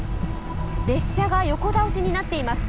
列車が横倒しになっています。